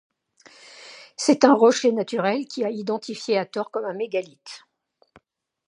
C'est un rocher naturel qui a identifié à tort comme un mégalithe.